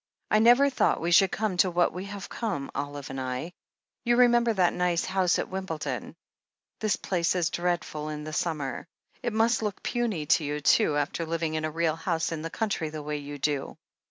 I never thought we should come to what we have come, Olive and I. You remember that nice house at Wimbledon? This place is dreadful in the siunmer. It must look puny to you, too, after living in a real house in the country the way you do."